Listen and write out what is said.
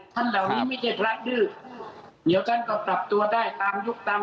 ก็ไม่อย่าพลัดรื้อด้านแท้นอน